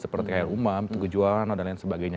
seperti rumam teguh jawa dan lain sebagainya